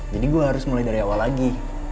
jadi gue harus mulai dari awal lagi